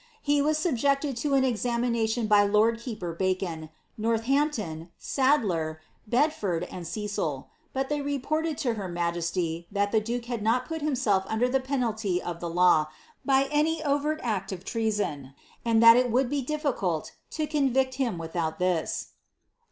He was subjected to an examination before lord keeper Bacon, Noilhampion, Sadler, Bedford, and Cecil ; but they reported to her majesty that the duke had not put himself under the penalty of the law, by any overt act of treason, and that it would be difficult to convict him without this.